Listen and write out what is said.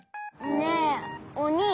ねえおにぃ。